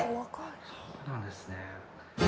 そうなんですね。